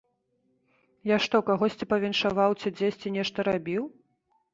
Я што, кагосьці павіншаваў ці дзесьці нешта рабіў?!